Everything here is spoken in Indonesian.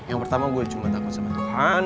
yang pertama gue cuma takut sama tuhan